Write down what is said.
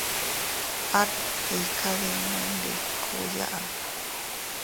At iykaddinnundikuya.